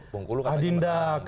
bengkulu katanya menang